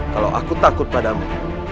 kalau aku takut padamu